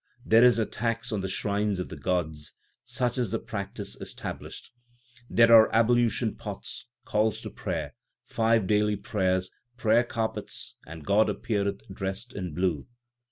There is a tax on the shrines of the gods ; such is the practice established. There are ablution pots, calls to prayer, five daily prayers, prayer carpets, and God appeareth dressed in blue.